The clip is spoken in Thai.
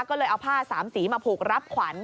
ก็เลยเอาผ้าสามสีมาผูกรับขวัญ